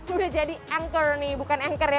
udah jadi anchor nih bukan anchor ya